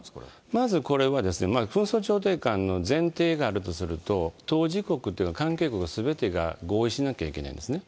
まずこれは、紛争調停官の前提があるとすると、当事国っていうか、関係国すべてが合意しなきゃいけないんですね。